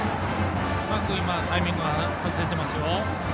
うまくタイミングを外せてますよ。